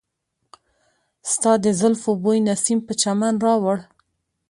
ستا د زلفو بوی نسیم په چمن راوړ.